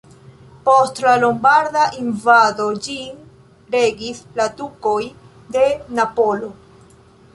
Post la lombarda invado ĝin regis la dukoj de Napolo.